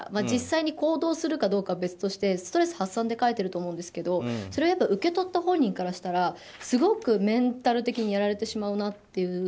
実際に行動するかどうかは別としてストレス発散で書いてると思うんですけど受け取った本人からしたらすごくメンタル的にやられてしまうなという。